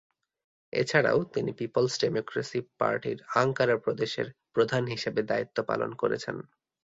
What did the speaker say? এছাড়াও তিনি peoples democracy পার্টির আঙ্কারা প্রদেশের প্রধান হিসেবে দায়িত্ব পালন করেছেন।